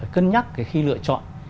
cân nhắc khi lựa chọn